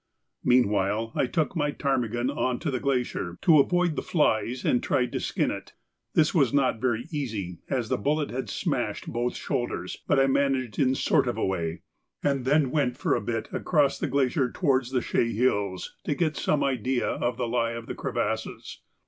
Meanwhile I took my ptarmigan on to the glacier, to avoid the flies, and tried to skin it. This was not very easy, as the bullet had smashed both shoulders, but I managed it in a sort of a way, and then went for a bit across the glacier towards the Chaix Hills to get some idea of the lie of the crevasses.